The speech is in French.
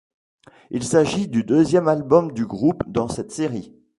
Il s'agit du deuxième album du groupe dans cette série.